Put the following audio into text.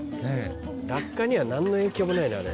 落下にはなんの影響もないなあれ。